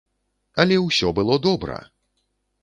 Але ўсё было добра!